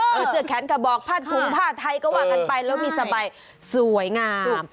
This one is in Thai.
เป็นสดแขนกระบอกผ้านฮูงท่าไทยก็วางกันไปแล้วมีสระบายสวยงาม